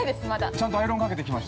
◆ちゃんとアイロンかけてきました。